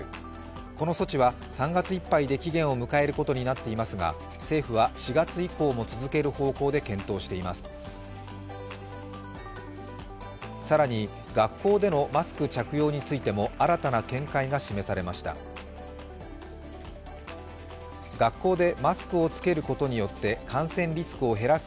この措置は３月いっぱいで期限を迎えることになっていますが、政府は４月以降も続ける方向で検討しています。